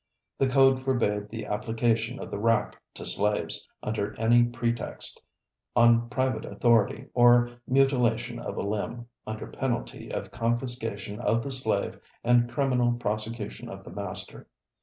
The code forbade the application of the rack to slaves, under any pretext, on private authority, or mutilation of a limb, under penalty of confiscation of the slave and criminal prosecution of the master.